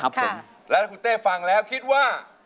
แล้วถ้าคุณเต้ฟังแล้วคิดว่า